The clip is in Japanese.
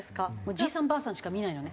じいさんばあさんしか見ないよね。